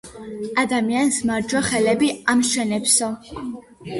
ადამიანს მარჯვე ხელები ამშვენებსო